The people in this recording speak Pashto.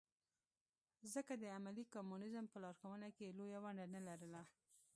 ځکه د عملي کمونیزم په لارښوونه کې یې لویه ونډه نه لرله.